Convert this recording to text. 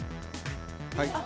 はい。